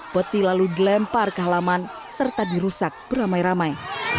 peti lalu dilempar ke halaman serta dirusak beramai ramai